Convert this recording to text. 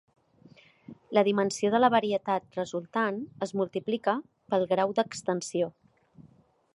La dimensió de la varietat resultant es multiplica pel grau d'extensió.